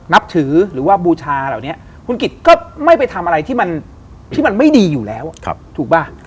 นับถือหรือว่าบูชาเหล่านี้คุณกิจก็ไม่ไปทำอะไรที่มันที่มันไม่ดีอยู่แล้วถูกป่ะ